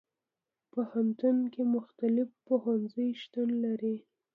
پوهنتون کې مختلف پوهنځي شتون لري.